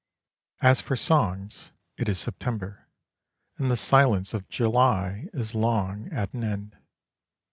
As for songs, it is September, and the silence of July is long at an end.